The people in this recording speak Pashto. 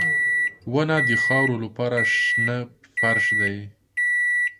• ونه د خاورو لپاره شنه فرش دی.